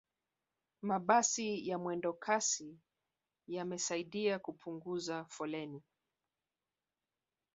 mabasi ya mwendokasi yamesaidia kupunguza foleni